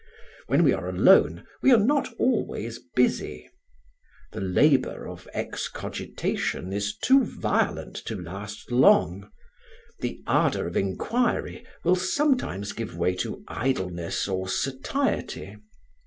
When we are alone we are not always busy; the labour of excogitation is too violent to last long; the ardour of inquiry will sometimes give way to idleness or satiety.